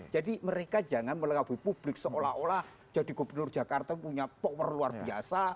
jadi mereka jangan melengkapi publik seolah olah jadi gubernur jakarta punya power luar biasa